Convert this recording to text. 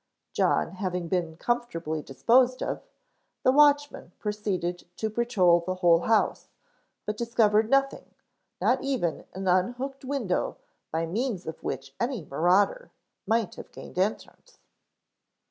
John having been comfortably disposed of, the watchman proceeded to patrol the whole house, but discovered nothing, not even an unhooked window by means of which any marauder might have gained entrance.